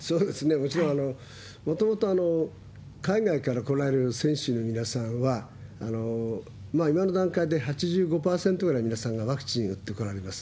もちろん、もともと海外から来られる選手の皆さんは、今の段階で８５％ぐらいの皆さんがワクチンを打ってこられます。